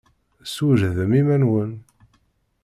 Swejdem iman-nwen!